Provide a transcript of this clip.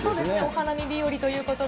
お花見日和ということで。